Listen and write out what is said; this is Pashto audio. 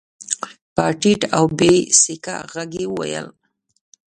په ټيټ او بې سېکه غږ يې وويل.